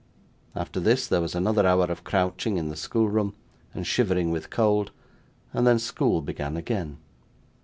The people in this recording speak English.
After this, there was another hour of crouching in the schoolroom and shivering with cold, and then school began again.